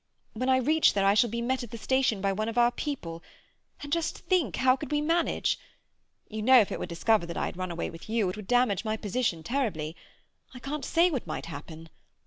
When I reach there I shall be met at the station by one of our people, and—just think, how could we manage? You know, if it were discovered that I had run away with you, it would damage my position terribly. I can't say what might happen.